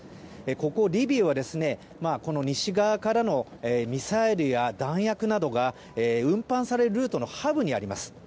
ここリビウは西側からのミサイルや弾薬などが運搬されるルートのハブにあります。